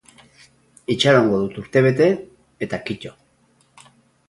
Itxarongo dut urtebete, eta kito!